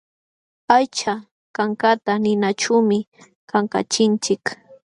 Aycha kankata ninaćhuumi kankachinchik.